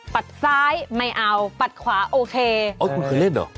ซ้ายไม่เอาปัดขวาโอเคโอ้ยคุณเคยเล่นเหรอ